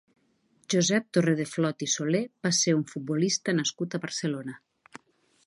Josep Torredeflot i Solé va ser un futbolista nascut a Barcelona.